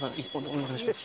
お願いします。